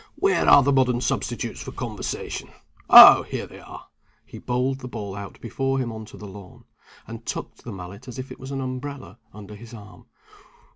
"Where are the modern substitutes for conversation? Oh, here they are!" He bowled the ball out before him on to the lawn, and tucked the mallet, as if it was an umbrella, under his arm.